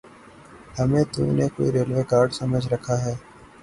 ہمیں تو نے کوئی ریلوے گارڈ سمجھ رکھا ہے؟